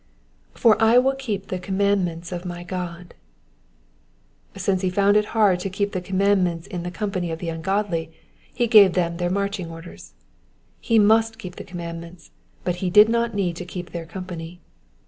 ^' ^^For I will keep the commandments of my Ood,'*^ Since he found it hard to keep the commandments in the company of the ungodly, he gave them their marching orders. He must keep the commandments, but he did not need to keep their company.